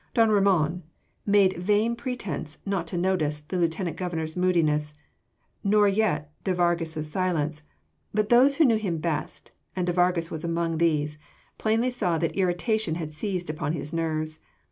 Don Ramon made vain pretence not to notice the Lieutenant Governor’s moodiness, nor yet de Vargas’ silence, but those who knew him best and de Vargas was among these plainly saw that irritation had seized upon his nerves.